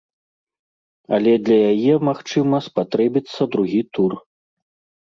Але для яе, магчыма, спатрэбіцца другі тур.